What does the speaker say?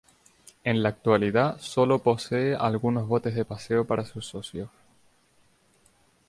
En la actualidad sólo posee algunos botes de paseo para sus socios.